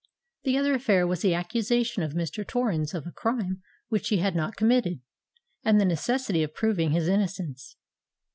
The other affair was the accusation of Mr. Torrens of a crime which he had not committed, and the necessity of proving his innocence.